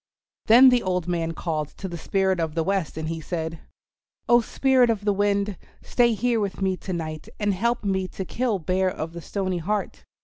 Then the old man called to the Spirit of the Wind, and he said, "Oh, Spirit of the Wind, stay here with me to night and help me to kill Bear of the Stony Heart.